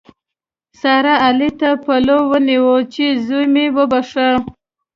سارا؛ علي ته پلو ونیو چې زوی مې وبښه.